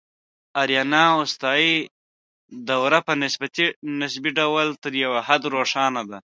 د آریانا اوستایي دوره په نسبي ډول تر یو حده روښانه ده